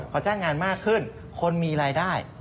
พอจ้างงานมากขึ้นคนมีรายได้